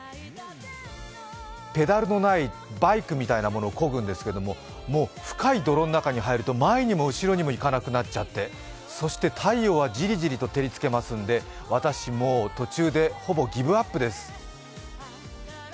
ペダルのないバイクみたいなものをこぐんですけど、深い泥の中に入ると前にも後ろにも行かなくなっちゃってそして太陽はじりじりと照りつけますんで、私、もう途中でほぼギブアップです。